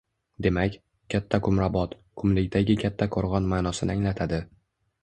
Demak, Katta Qumrabot – «qumlikdagi katta qo‘rg‘on» ma’nosini anglatadi.